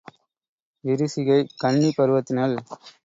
விரிசிகை கன்னிப் பருவத்தினள்.